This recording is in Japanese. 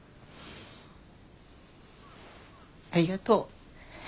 ありがとう。